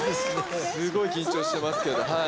すごい緊張してますけどはい。